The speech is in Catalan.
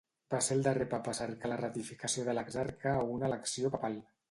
Va ser el darrer papa a cercar la ratificació de l'exarca a una elecció papal.